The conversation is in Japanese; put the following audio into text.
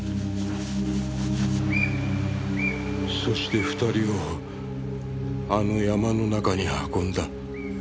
そして２人をあの山の中に運んだ。